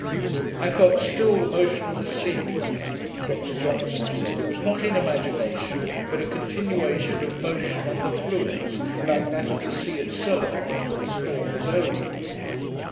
I felt still the motion of the sea. Dr Johnson said, it was not in imagination, but a continuation of motion on the fluids, like that of the sea itself after the storm is over.